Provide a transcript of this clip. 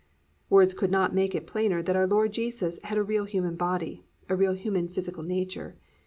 "+ Words could not make it plainer that our Lord Jesus had a real human body, a real human physical nature.